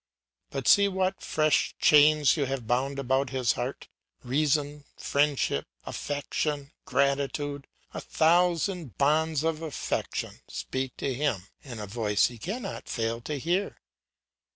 But see what fresh chains you have bound about his heart. Reason, friendship, affection, gratitude, a thousand bonds of affection, speak to him in a voice he cannot fail to hear.